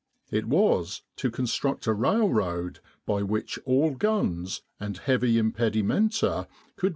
It was to construct a railroad by which all guns and heavy impedimenta could be 125 With the R.